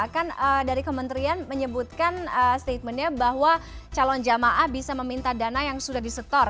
kan dari kementerian menyebutkan statementnya bahwa calon jamaah bisa meminta dana yang sudah disetor